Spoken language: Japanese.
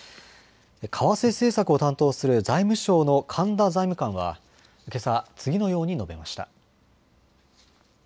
為替政策を担当する財務省の神田財務官はけさ、次のように述べました。